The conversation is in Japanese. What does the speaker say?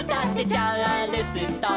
「チャールストン」